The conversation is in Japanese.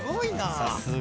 さすが。